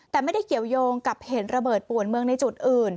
แต่ไม่ได้เกี่ยวยงกับเหตุระเบิดป่วนเมืองในจุดอื่น